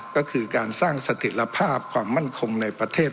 ก็คือการสร้างสถิตภาพความมั่นคงในประเทศ